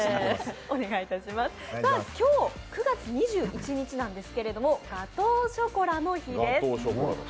今日９月２１日なんですけれどもガトーショコラの日です。